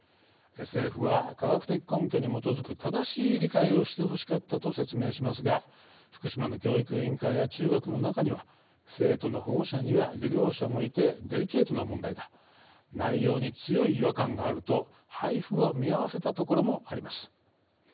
政府は、科学的根拠に基づく正しい理解をしてほしかったと説明しますが福島の教育委員会や中学の中には生徒の保護者には漁業者もいてデリケートな問題だ内容に強い違和感があると配布を見合わせた所もあります。